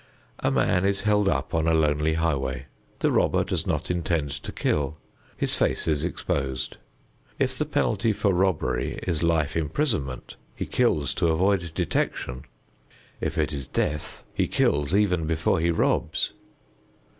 A man is held up on a lonely highway; the robber does not intend to kill. His face is exposed. If the penalty for robbery is life imprisonment, he kills to avoid detection. If it is death, he kills even before he robs.